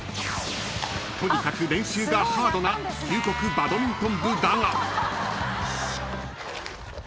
［とにかく練習がハードな九国バドミントン部だが］